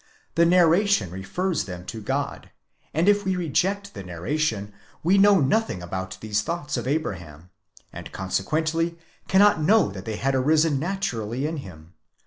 The narration refers them to God; and if we reject the narration, we know nothing about these thoughts of Abraham, and consequently cannot know that they had arisen naturally in him.